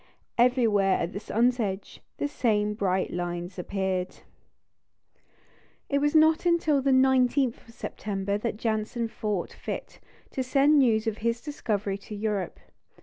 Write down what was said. Everywhere at the sun's edge the same bright lines appeared. It was not until the 19th of September that Janssen thought fit to send news of his discovery to Europe.